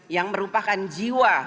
yang merupakan jiwa